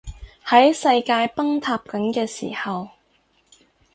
喺世界崩塌緊嘅時候